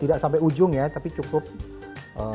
tidak sampai ujung ya tapi cukup meng cover saja